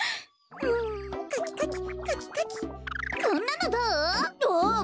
こんなのどう？